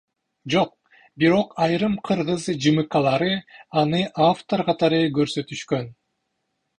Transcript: Жок, бирок айрым кыргыз ЖМКлары аны автор катары көрсөтүшкөн.